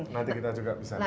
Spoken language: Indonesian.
nanti kita juga bisa lihat